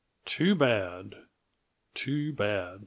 "Too bad too bad!"